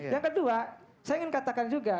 yang kedua saya ingin katakan juga